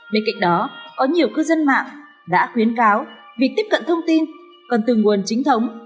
bên cạnh đó có nhiều cư dân mạng đã khuyến cáo việc tiếp cận thông tin còn từ nguồn chính thống